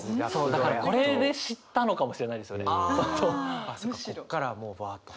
だからこれで知ったのかもしれないですよね。